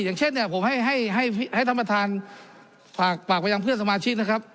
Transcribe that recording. อย่างเช่นเนี่ยผมให้ท่านประธานฝากไปยังเพื่อนสมาชิกนะครับ